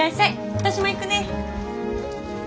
私も行くね。